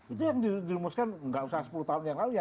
itu yang dirumuskan nggak usah sepuluh tahun yang lalu ya